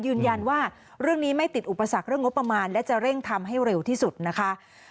ยืนยันว่าเรื่องนี้ไม่ติดอุปสรรคเรื่องงบประมาณและจะเร่งทำให้เร็วที่สุดนะคะ